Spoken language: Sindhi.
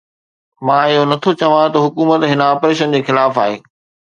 مان اهو نٿو چوان ته حڪومت هن آپريشن جي خلاف آهي.